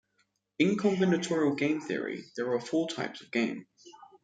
In combinatorial game theory, there are four types of game.